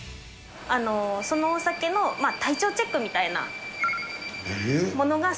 そのお酒の体調チェックみたいなものが。え？